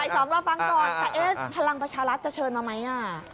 ใส่สองรอฟังก่อนพลังประชารัฐจะเชิญมาไหม